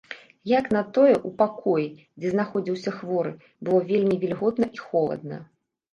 Як на тое, у пакоі, дзе знаходзіўся хворы, было вельмі вільготна і холадна.